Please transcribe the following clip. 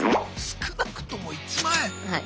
少なくとも１万円⁉はい。